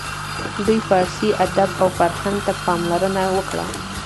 دوی فارسي ادب او فرهنګ ته پاملرنه وکړه.